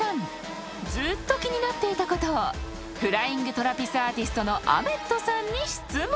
［ずっと気になっていたことをフライング・トラピスアーティストのアメッドさんに質問］